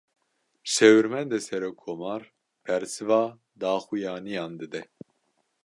Şêwirmendê serokkomar, bersiva daxuyaniyan dide